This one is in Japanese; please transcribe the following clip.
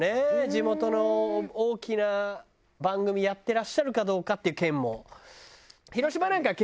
地元の大きな番組やってらっしゃるかどうかっていう県も。